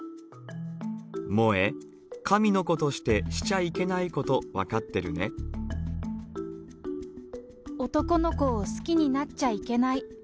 萌、神の子としてしちゃいけないこと、男の子を好きになっちゃいけない。